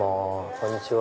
こんにちは。